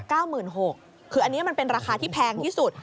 คืออันนี้มันเป็นราคาที่แพงที่สุด